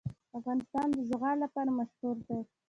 افغانستان د زغال لپاره مشهور دی.